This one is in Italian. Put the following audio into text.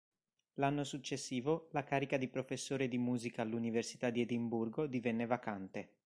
L'anno successivo la carica di professore di musica all'Università di Edimburgo divenne vacante.